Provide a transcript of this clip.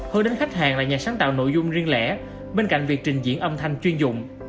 hơn đến khách hàng là nhà sáng tạo nội dung riêng lẻ bên cạnh việc trình diễn âm thanh chuyên dụng